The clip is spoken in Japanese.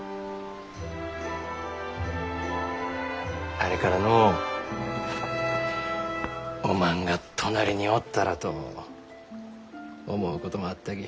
あれからのうおまんが隣におったらと思うこともあったき。